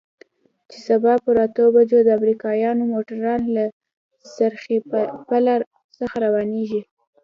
چې سبا پر اتو بجو د امريکايانو موټران له څرخي پله څخه روانېږي.